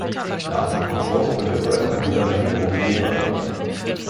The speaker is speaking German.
Nach dem Konkurs führte Bradham wieder seine Drogerie weiter.